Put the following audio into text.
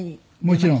もちろん。